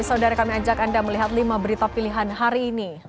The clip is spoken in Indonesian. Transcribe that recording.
saudara kami ajak anda melihat lima berita pilihan hari ini